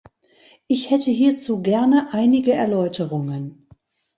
Ich hätte hierzu gerne einige Erläuterungen.